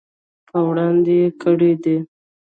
په وړاندې یې کړي دي.